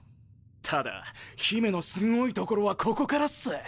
ただ姫のすごいところはここからっす。